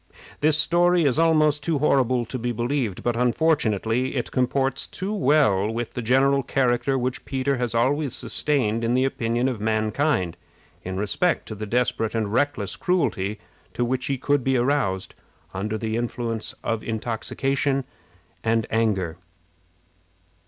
This story is almost too horrible to be believed, but, unfortunately, it comports too well with the general character which Peter has always sustained in the opinion of mankind in respect to the desperate and reckless cruelty to which he could be aroused under the influence of intoxication and anger. [Illustration: Peter turning executioner.